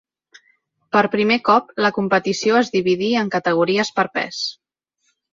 Per primer cop la competició es dividí en categories per pes.